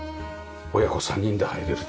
親子３人で入れる。